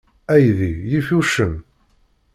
Aydi yif uccen?